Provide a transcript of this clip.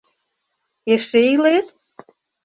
Эше илет?